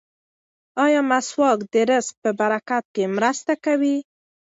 ایا مسواک د رزق په برکت کې مرسته کوي؟